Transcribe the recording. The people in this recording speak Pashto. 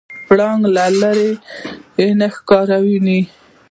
پړانګ له لرې نه ښکار ویني.